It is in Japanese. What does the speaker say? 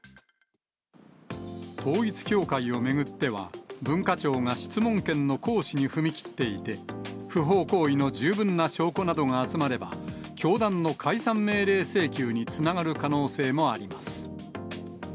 統一教会を巡っては、文化庁が質問権の行使に踏み切っていて、不法行為の十分な証拠などが集まれば、教団の解散命令請求につながる可能性もあります。